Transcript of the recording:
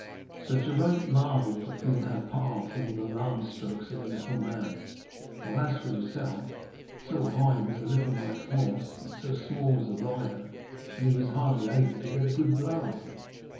Sir Geraint marvelled to feel how powerful were the lance strokes of the little man, while, as for himself, so high was the little knight's horse and so small was the rider, that he was hardly able to get a good blow at him.